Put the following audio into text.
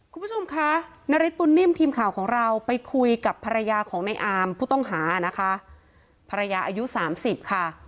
คุณผู้ชมคะนาริสบุญนิ่มทีมข่าวของเราไปคุยกับภรรยาของในอามผู้ต้องหานะคะภรรยาอายุสามสิบค่ะ